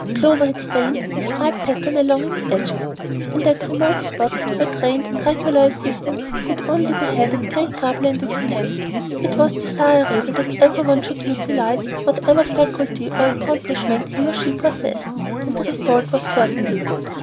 Clover had stained the striped pattern along its edges. In that remote spot, where trained and regular assistance could be had only at great trouble and expense, it was desirable that every one should utilize whatever faculty or accomplishment he or she possessed, and the result was certainly good.